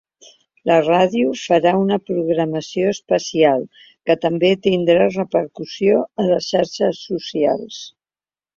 La ràdio farà una programació especial, que també tindrà repercussió a les xarxes socials.